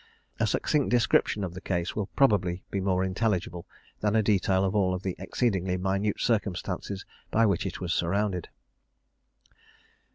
A succinct description of the case will probably be more intelligible than a detail of all the exceedingly minute circumstances by which it was surrounded.